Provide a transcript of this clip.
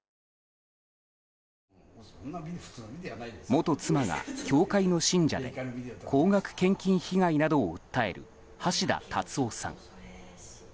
元妻が教会の信者で高額献金被害などを訴える橋田達夫さん。